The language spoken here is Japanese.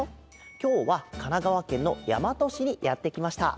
きょうはかながわけんのやまとしにやってきました。